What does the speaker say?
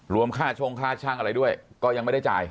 ค่าช่งค่าช่างอะไรด้วยก็ยังไม่ได้จ่าย